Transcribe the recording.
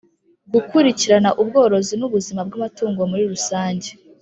Gukurikirana ubworozi n’ ubuzima bw’amatungo muri rusange